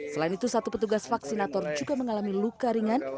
selain itu satu petugas vaksinator juga mengalami luka ringan